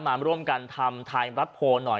มาร่วมกันทำไทยรัฐโพลหน่อย